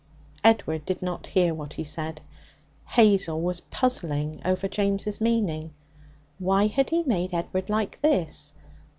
Edward did not hear what he said. Hazel was puzzling over James' meaning. Why had he made Edward like this?